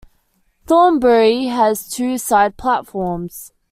Thornbury has two side platforms.